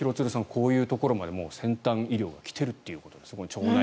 こういうところまで先端医療が来ているということです。